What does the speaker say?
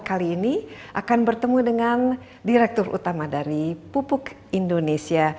kali ini akan bertemu dengan direktur utama dari pupuk indonesia